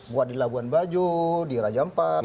buat di labuan bajo di raja ampat